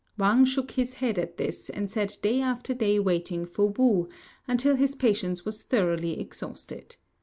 Wang shook his head at this, and sat day after day waiting for Wu, until his patience was thoroughly exhausted.